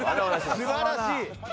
素晴らしい。